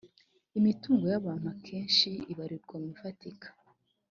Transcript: Imitungo y’abantu akenshi ibarirwa mu bifatika